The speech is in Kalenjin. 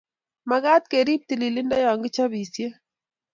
Magat kerib tililindo yo kichobisie